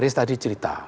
karena saya sudah berusaha